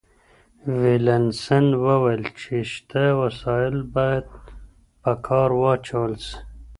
ويلم سن وويل چي شته وسايل بايد په کار واچول سي.